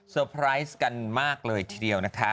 สเต็มซ์กันมากเลยทีเดียวนะคะ